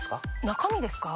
中身ですか？